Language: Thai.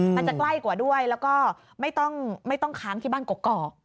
มันจะใกล้กว่าด้วยแล้วก็ไม่ต้องค้างที่บ้านกรอก